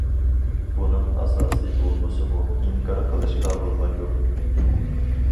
بۇنىڭ ئاساسى بولمىسىمۇ، ئىنكار قىلىشقا بولمايدۇ.